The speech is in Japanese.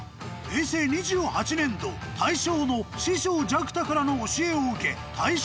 平成２８年度大賞の師匠雀太からの教えを受け大賞を狙う。